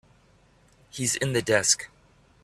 He's in the desk.